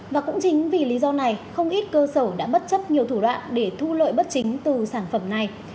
và cũng chính vì lý do này không ít cơ sở đã bất chấp nhiều thủ đoạn để thu lợi bất chính từ sản phẩm này